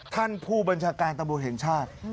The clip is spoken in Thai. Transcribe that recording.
ท่านผู้บัญชาการตำรวจแห่งชาติ